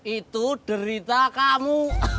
itu derita kamu